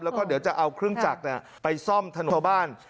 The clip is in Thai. แล้วก็เดี๋ยวจะเอาเครื่องจักรไปซ่อมถนนชาวบ้าน